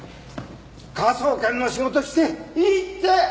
科捜研の仕事していいって！